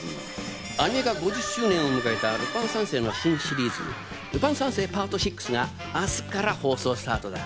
アニメ化５０周年を迎えた『ルパン三世』の新シリーズ『ルパン三世ＰＡＲＴ６』が明日から放送スタートだ。